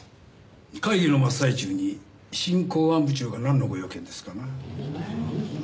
会議の真っ最中に新公安部長がなんのご用件ですかな？